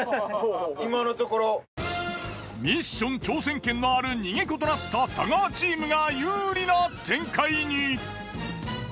ミッション挑戦権のある逃げ子となった太川チームが有利な展開に。